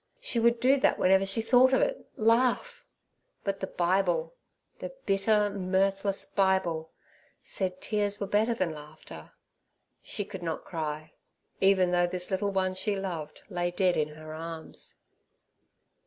She would do that whenever she thought of it—laugh; but the Bible, the bitter, mirthless Bible, said tears were better than laughter. She could not cry, even though this little one she loved lay dead in her arms.